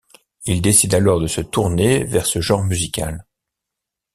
Il décide alors de se tourner vers ce genre musical.